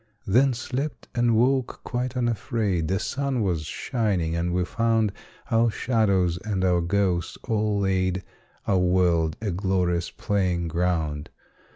Then slept, and woke quite unafraid. The sun was shining, and we found Our shadows and our ghosts all laid, Our world a glorious playing ground.